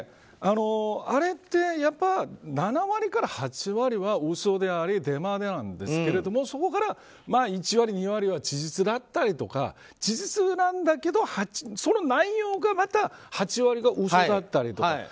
あれって７割から８割は嘘でありデマなんですけどそこから１割、２割は事実であったりとか事実なんだけどその内容がまた８割嘘だったりとか。